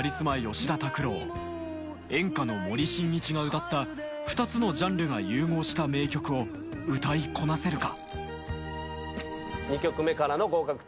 吉田拓郎演歌の森進一が歌った２つのジャンルが融合した名曲を歌いこなせるか？